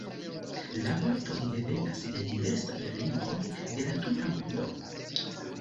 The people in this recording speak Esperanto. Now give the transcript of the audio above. La vortoj devenas de diversaj lingvoj de la tuta mondo.